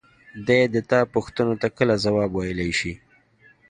دى د تا پوښتنو ته کله ځواب ويلاى شي.